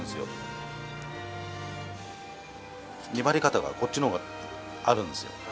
粘り方がこっちの方があるんですよ。